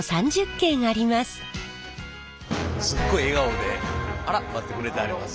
すっごい笑顔で待ってくれてはります。